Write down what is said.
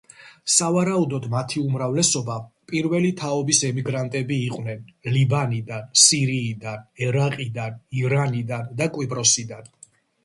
სავარაუდოდ, მათი უმრავლესობა პირველი თაობის ემიგრანტები იყვნენ ლიბანიდან, სირიიდან, ერაყიდან, ირანიდან და კვიპროსიდან.